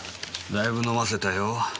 だいぶ飲ませたよ。